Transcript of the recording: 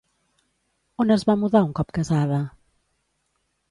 On es va mudar un cop casada?